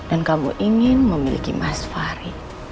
aku ingin memiliki mas fahri